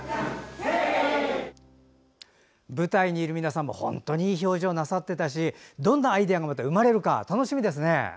舞台にいる皆さんも本当にいい表情なさってたしどんなアイデアが生まれるか楽しみですね。